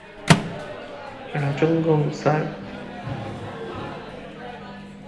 Rajangam, sir.